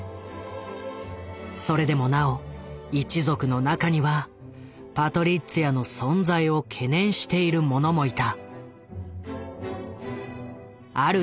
それでもなお一族の中にはパトリッツィアの存在を懸念している者もいた。